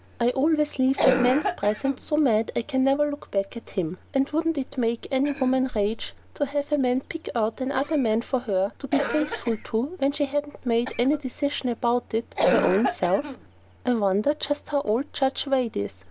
I always leave that man's presence so mad I can never look back at him. And wouldn't it make any woman rage to have a man pick out another man for her to be faithful to when she hadn't made any decision about it her own self? I wonder just how old Judge Wade is?